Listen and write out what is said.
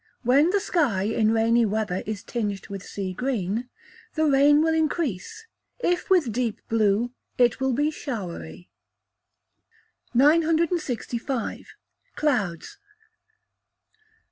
When the sky, in rainy weather, is tinged with sea green, the rain will increase; if with deep blue, it will be showery. 965. Clouds.